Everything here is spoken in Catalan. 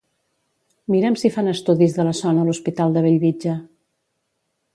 Mira'm si fan estudis de la son a l'Hospital de Bellvitge.